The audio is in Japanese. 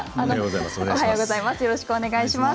おはようございます。